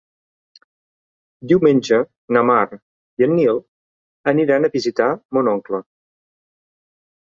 Diumenge na Mar i en Nil aniran a visitar mon oncle.